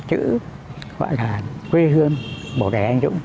chữ gọi là quê hương bộ đề anh dũng